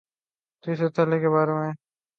تیسرے ترلے کے بارے میں تھوڑی احتیاط لازم ہے۔